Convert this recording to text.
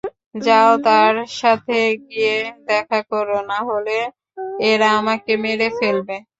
যাও তার সাথে গিয়ে দেখা করো, নাহলে এরা আমাকে মেরে ফেলবে।